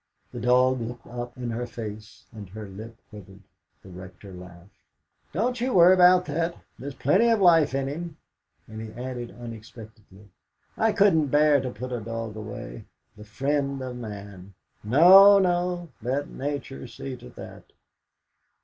The dog looked up in her face, and her lip quivered. The Rector laughed. "Don't you worry about that; there's plenty of life in him." And he added unexpectedly: "I couldn't bear to put a dog away, the friend of man. No, no; let Nature see to that."